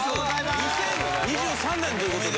２０２３年という事で。